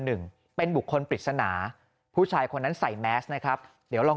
หนึ่งเป็นบุคคลปริศนาผู้ชายคนนั้นใส่แมสนะครับเดี๋ยวลอง